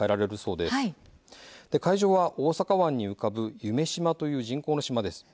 会場は大阪湾に浮かぶ夢洲という人工の島です。